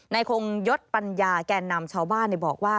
คงยศปัญญาแก่นำชาวบ้านบอกว่า